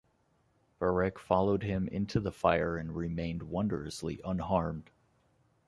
Barek followed him into the fire and remained wondrously unharmed.